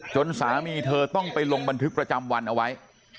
สามีเธอต้องไปลงบันทึกประจำวันเอาไว้